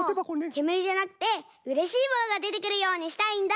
けむりじゃなくてうれしいものがでてくるようにしたいんだ！